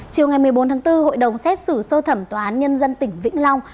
chiều ngày một mươi bốn tháng bốn hội đồng xét xử sơ thẩm tòa án nhân dân tỉnh vĩnh long